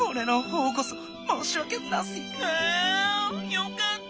よかった！